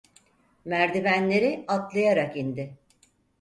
Merdivenleri atlayarak indi.